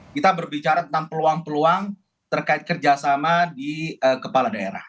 kita berbicara tentang peluang peluang terkait kerjasama di kepala daerah